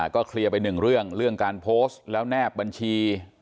ก็เคลียร์ไปหนึ่งเรื่องเรื่องการโพสต์แล้วแนบบัญชี